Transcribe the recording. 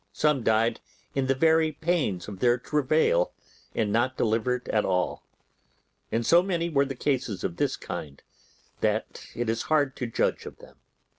Some died in the very pains of their travail, and not delivered at all; and so many were the cases of this kind that it is hard to judge of them.